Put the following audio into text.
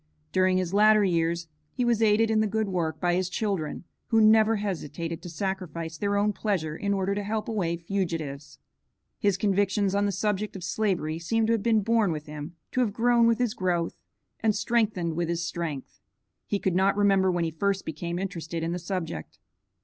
During his latter years, he was aided in the good work by his children, who never hesitated to sacrifice their own pleasure in order to help away fugitives. His convictions on the subject of slavery seem to have been born with him, to have grown with his growth, and strengthened with his strength. He could not remember when he first became interested in the subject.